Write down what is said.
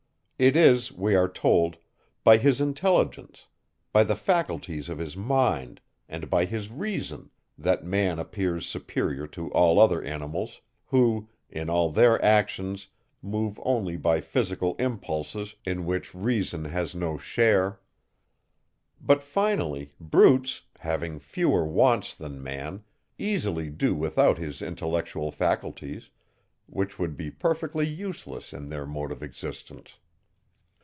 It is, we are told, by his intelligence, by the faculties of his mind, and by his reason, that man appears superior to all other animals, who, in all their actions, move only by physical impulses, in which reason has no share. But finally, brutes, having fewer wants than man, easily do without his intellectual faculties, which would be perfectly useless in their mode of existence.